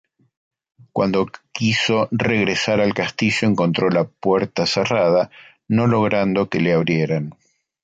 Cuando quiso regresar al castillo encontró la puerta cerrada, no logrando que le abrieran.